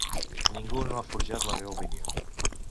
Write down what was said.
Ningú no ha forjat la meva opinió.